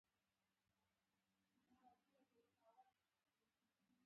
دا معمولا د با تجربه اشخاصو لخوا جوړیږي.